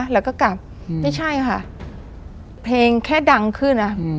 แล้วก็กลับนี่ใช่ค่ะเพลงแค่ดังขึ้นอ่ะอืม